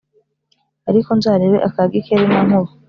ariko nzarebe aka Gikeli na Nkuba.